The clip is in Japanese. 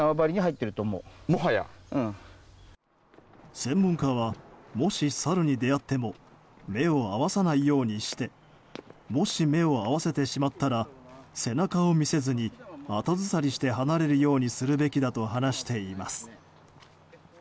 専門家はもしサルに出会っても目を合わさないようにしてもし目を合わせてしまったら背中を見せずに後ずさりして離れるようにするべきだと話しています。